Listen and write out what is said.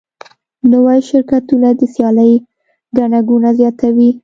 نوي شرکتونه د سیالۍ ګڼه ګوڼه زیاتوي.